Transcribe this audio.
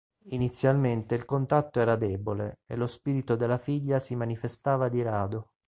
Inizialmente il contatto era debole e lo spirito della figlia si manifestava di rado.